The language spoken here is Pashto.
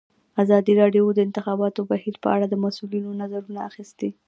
ازادي راډیو د د انتخاباتو بهیر په اړه د مسؤلینو نظرونه اخیستي.